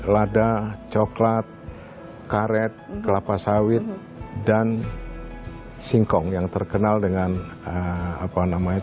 lada coklat karet kelapa sawit dan singkong yang terkenal dengan apa namanya